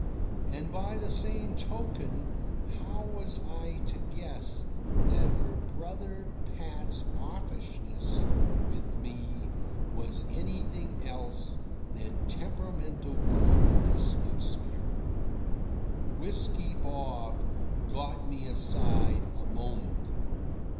And by the same token, how was I to guess that her brother Pat's offishness with me was anything else than temperamental gloominess of spirit? Whisky Bob got me aside a moment.